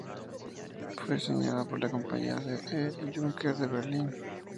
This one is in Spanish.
Fue diseñada por la compañía C. E. Junker de Berlin.